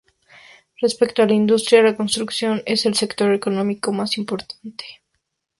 Respecto a la industria, la construcción es el sector económico más importante.